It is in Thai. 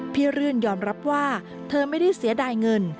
รื่นยอมรับว่าเธอไม่ได้เสียดายเงิน